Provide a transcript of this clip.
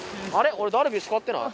俺、ダルビッシュ、買ってない。